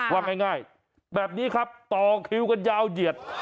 ว่าง่ายแบบนี้ครับต่อคิวกันยาวเหยียด